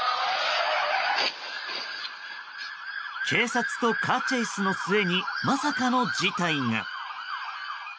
警察とカーチェイスの末にまさかの事態が。